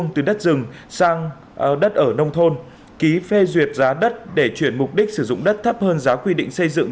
từ đất rừng sang đất ở nông thôn ký phê duyệt giá đất để chuyển mục đích sử dụng đất thấp hơn giá quy định xây dựng